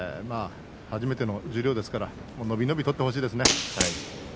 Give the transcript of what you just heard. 初めての十両ですから伸び伸び取ってほしいですね。